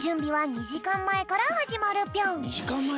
２じかんまえから？